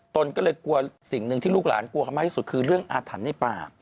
ตนก็เลยกลัวสิ่งหนึ่งที่ลูกหลานกลัวเขามากที่สุดคือเรื่องอาถรรพ์ในป่า